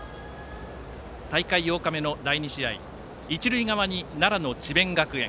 大会８日目の第２試合一塁側に奈良の智弁学園。